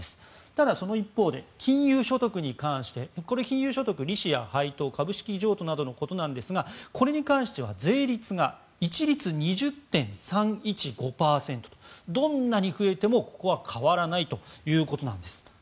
ただ、その一方で金融所得に関してこれ、金融所得利子や配当株式譲渡のことなんですがこれに関しては税率が一律２０．３１５％とどんなに増えてもここは変わらないということなんです。